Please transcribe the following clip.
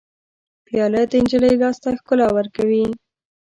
پیاله د نجلۍ لاس ته ښکلا ورکوي.